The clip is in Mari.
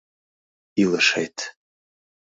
Илышет